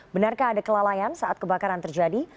benarkah ada kelalaian saat kebakaran terjadi